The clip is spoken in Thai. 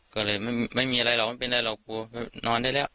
ก็เลยไม่มีอะไรหรอกไม่เป็นไรหรอกกลัวนอนได้แล้ว